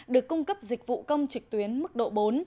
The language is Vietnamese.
được cung cấp dịch vụ công trực tuyến mức độ bốn